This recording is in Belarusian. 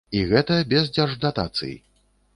І гэта без дзярждатацый.